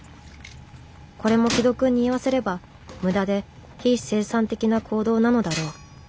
これも紀土くんに言わせれば無駄で非生産的な行動なのだろう